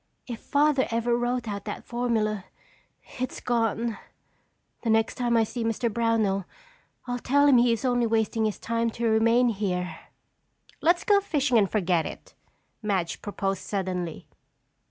"If Father ever wrote out that formula, it's gone. The next time I see Mr. Brownell I'll tell him he is only wasting his time to remain here." "Let's go fishing and forget it," Madge proposed suddenly.